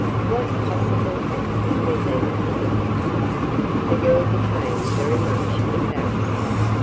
What possible harm can there be in it?" The girl became very much embarrassed.